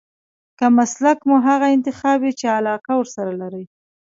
که مسلک مو هغه انتخاب وي چې علاقه ورسره لرئ.